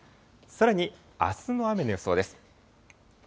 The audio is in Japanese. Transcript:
さらに、あすの雨の予想です。